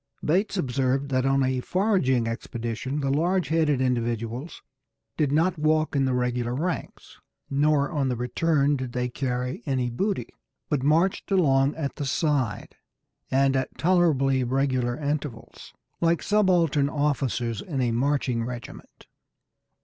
Bates observed that on a foraging expedition the large headed individuals did not walk in the regular ranks, nor on the return did they carry any of the booty, but marched along at the side, and at tolerably regular intervals, "like subaltern officers in a marching regiment."